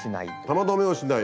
玉留めをしない。